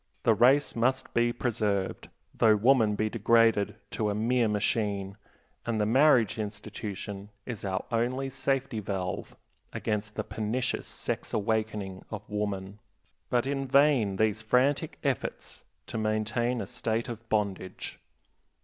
The race must be preserved, though woman be degraded to a mere machine, and the marriage institution is our only safety valve against the pernicious sex awakening of woman. But in vain these frantic efforts to maintain a state of bondage.